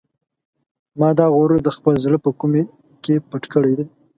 ما دا غرور د خپل زړه په کومې کې پټ کړی دی.